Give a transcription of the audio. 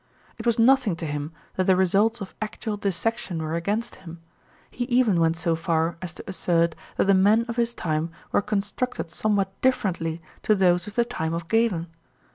It was nothing to him that the results of actual dissection were against him he even went so far as to assert that the men of his time were constructed somewhat differently to those of the time of Galen!